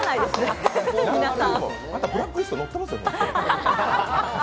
あなたブラックリストに載ってますよ。